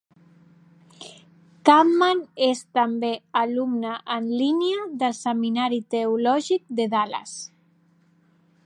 Kampman es també alumne en línia del Seminari Teològic de Dallas.